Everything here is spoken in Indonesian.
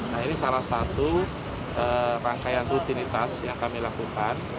nah ini salah satu rangkaian rutinitas yang kami lakukan